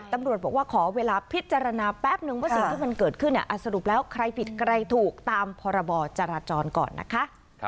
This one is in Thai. ตำรวจบอกว่าขอเวลาพิจารณาแป๊บนึงว่าสิ่งที่มันเกิดขึ้นสรุปแล้วใครผิดใครถูกตามพรบจราจรก่อนนะคะ